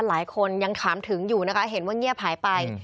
หลายคนยังถามถึงอยู่นะคะเห็นว่าเงียบหายไป